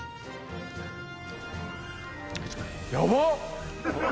やばっ。